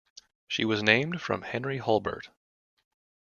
She was named for Henry Hulbert.